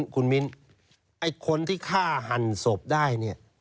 คุณมิ้นไอ้คนที่ฆ่าหันศพได้เนี่ย